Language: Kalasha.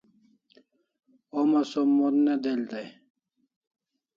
Homa som mon ne del dai